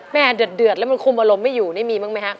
แม่เดือดแล้วมันคุมอารมณ์ไม่อยู่นี่มีมั้งไหมครับ